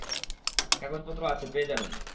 কাগজপত্র আছে, পেয়ে যাবেন।